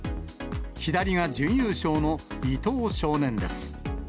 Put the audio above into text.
左が準優勝の伊藤少年です。